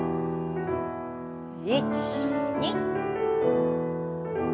１２。